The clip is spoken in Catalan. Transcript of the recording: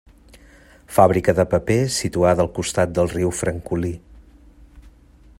Fàbrica de paper, situada al costat del riu Francolí.